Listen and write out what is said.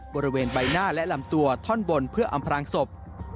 บริเวณใบหน้าและลำตัวท่อนบนเพื่ออำพลางศพ